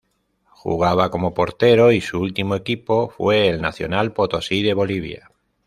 Jugaba como portero y su último equipo fue el Nacional Potosí de Bolivia.